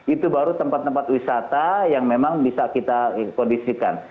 itu baru tempat tempat wisata yang memang bisa kita kondisikan